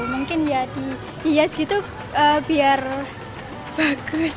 mungkin ya dihias gitu biar bagus